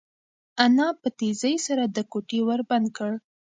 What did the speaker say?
انا په تېزۍ سره د کوټې ور بند کړ.